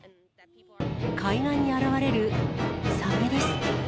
海岸に現れるサメです。